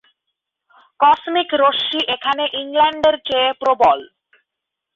Cosmic রশ্মি এখানে ইংল্যান্ডের চেয়ে প্রবল।